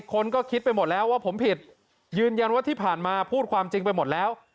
คนก็คิดไปหมดแล้วว่าผมผิดยืนยันว่าที่ผ่านมาพูดความจริงไปหมดแล้ว